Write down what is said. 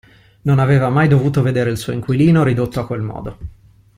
Non aveva mai dovuto vedere il suo inquilino ridotto a quel modo.